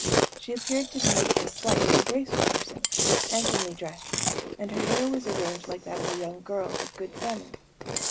She appeared to be a slight and graceful person, handsomely dressed; and her hair was arranged like that of a young girl of good family.